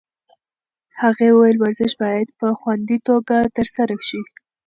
هغې وویل ورزش باید په خوندي توګه ترسره شي.